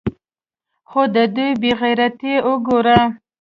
خو د دوى بې غيرتي اوګوره.